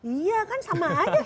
iya kan sama aja